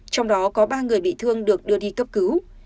trong đó có ba người bị thương được đưa đi cấp cứu